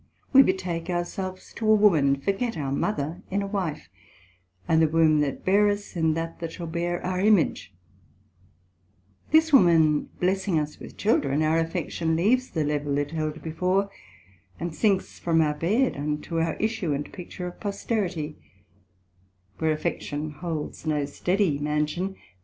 We betake our selves to a woman, forget our mother in a wife, and the womb that bare us, in that that shall bear our Image: this woman blessing us with children, our affection leaves the level it held before, and sinks from our bed unto our issue and picture of Posterity, where affection holds no steady mansion.